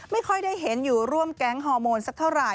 ไม่ค่อยได้เห็นอยู่ร่วมแก๊งฮอร์โมนสักเท่าไหร่